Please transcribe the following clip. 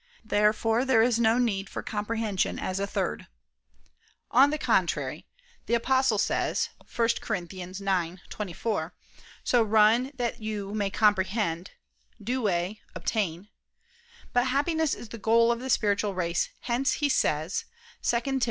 Therefore there is no need for comprehension as a third. On the contrary, The Apostle says (1 Cor. 9:24): "So run that you may comprehend [Douay: 'obtain']." But happiness is the goal of the spiritual race: hence he says (2 Tim.